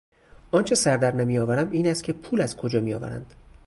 آنچه سردر نمیآورم این است که پول از کجا میآورند.